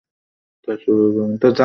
তাঁরা চলে গেলেন পনের মিনিটের মধ্যে।